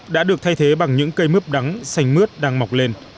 đã được thay thế bằng những cây mướp đắng xanh mướt đang mọc lên